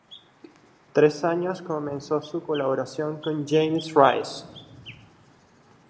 Tres años más tarde comenzó su colaboración con James Rice.